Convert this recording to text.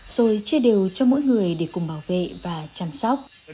rồi chia đều cho mỗi người để cùng bảo vệ và chăm sóc